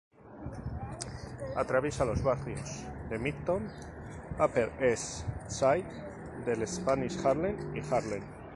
Atraviesa los barrios del Midtown, Upper East Side, del Spanish Harlem y Harlem.